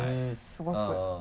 すごく。